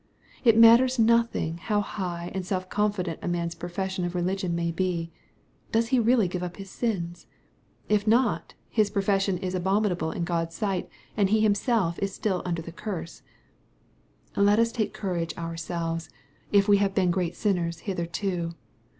— ^It matters nothing how high and self confident a man's profession of religion may be. Does he really give up his sins ? If not, his profession is abominable in God's sight, and he himself is still under the cursei Let ns take courage ourselves, if we have MATTHEW, CHAP. XXl. 275 been great sinners hitherto.